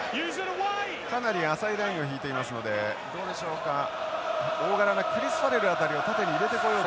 かなり浅いラインを引いていますのでどうでしょうか大柄なクリスファレル辺りを縦に入れてこようということでしょうか。